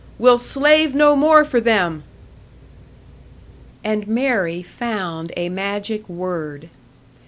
We'll slave no more for them!" And Mary found a magic word.